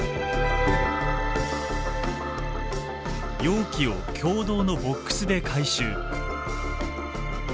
容器を共同のボックスで回収。